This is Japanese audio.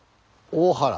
大原。